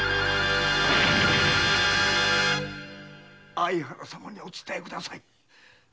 相原様にお伝えください。